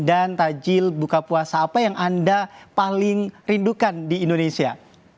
dan takjil buka puasa apa yang anda paling rindukan di indonesia